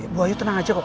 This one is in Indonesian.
bu ayu tenang aja kok